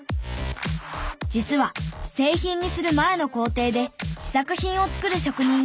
実は製品にする前の工程で試作品を作る職人がいるんです。